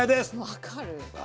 分かる。